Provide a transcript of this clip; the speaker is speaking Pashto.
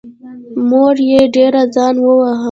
مور یې ډېر ځان وواهه.